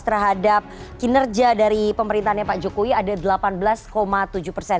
terhadap kinerja dari pemerintahnya pak jokowi ada delapan belas tujuh persen